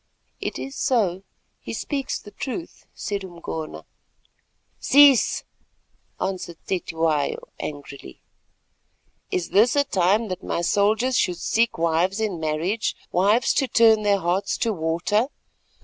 "It is so; he speaks the truth," said Umgona. "Cease," answered Cetywayo angrily. "Is this a time that my soldiers should seek wives in marriage, wives to turn their hearts to water?